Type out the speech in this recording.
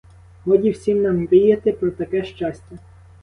Годі всім нам мріяти про таке щастя.